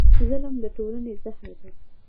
ظلم د ټولنې زهر دی.